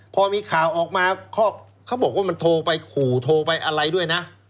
พอมีข่าวออกมาเขาบอกว่ามันโทรไปขู่โทรไปอะไรด้วยนะ